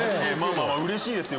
まぁうれしいですよ